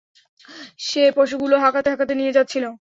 সে পশুগুলো হাঁকাতে হাঁকাতে নিয়ে যাচ্ছিল।